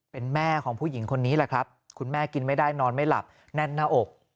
เป็นแม่ของผู้หญิงคนนี้แหละครับคุณแม่กินไม่ได้นอนไม่หลับแน่นหน้าอก